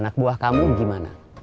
anak buah kamu gimana